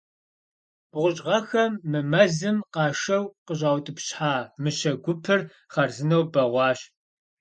БгъущӀ гъэхэм мы мэзым къашэу къыщӏаутӏыпщхьа мыщэ гупыр хъарзынэу бэгъуащ.